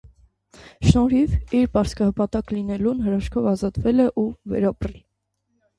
Շնորհիվ իր պարսկահպատակ լինելուն՝ հրաշքով ազատվել է ու վերապրել։